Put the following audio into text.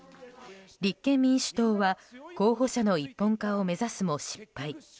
立憲民主党は候補者の一本化を目指すも失敗。